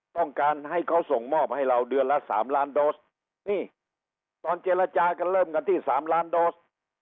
ต้องการให้เขาส่งมอบให้เราเดือนละสามล้านโดสนี่ตอนเจรจากันเริ่มกันที่สามล้านโดส